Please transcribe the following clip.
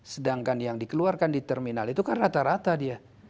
sedangkan yang dikeluarkan di terminal itu kan rata rata dia